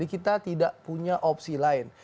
kita tidak punya opsi lain